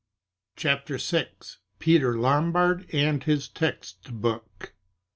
CHAPTER VI Peter Lombard and His Text Book i.